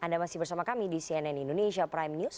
anda masih bersama kami di cnn indonesia prime news